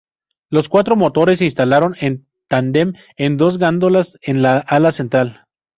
Los cuatro motores se instalaron en tandem en dos góndolas en el ala central.